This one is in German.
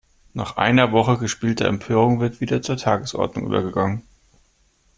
Nach einer Woche gespielter Empörung wird wieder zur Tagesordnung übergegangen.